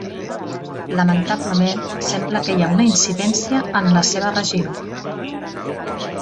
Lamentablement sembla que hi ha una incidència en la seva regió.